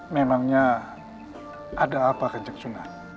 memangnya ada apa kejek sunan